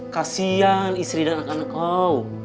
kasian istri dan anak anak kau